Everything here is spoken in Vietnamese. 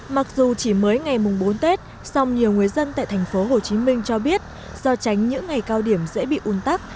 mặc dù chỉ mới ngày bốn tết song nhiều người dân tại thành phố hồ chí minh cho biết do tránh những ngày cao điểm sẽ bị un tắc